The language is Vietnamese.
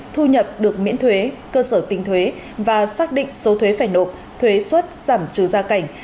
thu nhập được miễn thuế cơ sở tinh thuế và xác định số thuế phải nộp thuế xuất giảm trừ gia cảnh